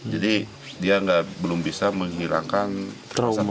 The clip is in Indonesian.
jadi dia belum bisa menghilangkan trauma